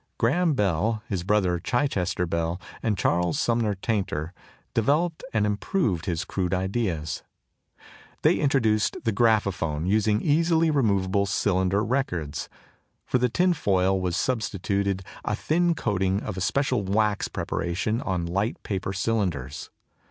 Graham Bell, his brother, Chichester Bell, and Charles Sumner Tainter, developed and improved his crude ideas. They introduced the Graphophone, using easily removable cylinder records. For the tinfoil was substituted a thin coating of a special wax preparation on light paper cylinders.